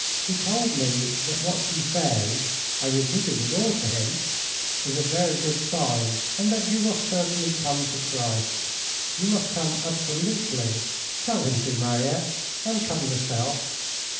"He told me that what you say (I repeated it all to him) is a very good sign, and that you will certainly come to Christ. You must come absolutely. Tell him to, Mariette, and come yourself."